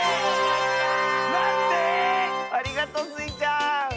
なんで⁉ありがとうスイちゃん！